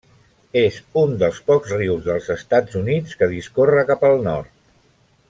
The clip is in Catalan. És un dels pocs rius dels Estats Units que discorre cap al nord.